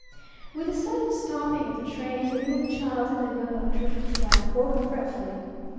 With the sudden stopping of the train the little child in the Young Electrician's lap woke fretfully.